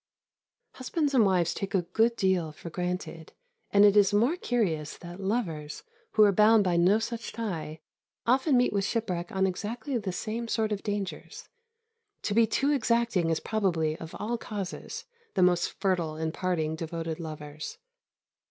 Husbands and wives take a good deal for granted, and it is more curious that lovers, who are bound by no such tie, often meet with shipwreck on exactly the same sort of dangers. To be too exacting is probably, of all causes, the most fertile in parting devoted lovers.